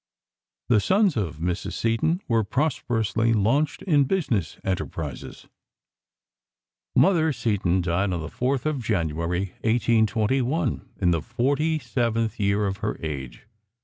The sons of Mrs. Seton were prosperously launched in business enterprises. Mother Seton died on the 4th of January, 1821, in the forty seventh year of her age.